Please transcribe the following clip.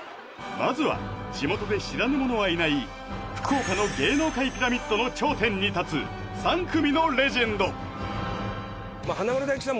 まずは地元で知らぬ者はいない福岡の芸能界ピラミッドの頂点に立つ３組のレジェンド華丸・大吉さん